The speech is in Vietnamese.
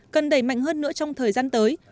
cần đẩy mạnh hơn nữa trong thời gian tới